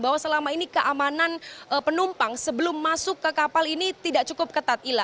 bahwa selama ini keamanan penumpang sebelum masuk ke kapal ini tidak cukup ketat ila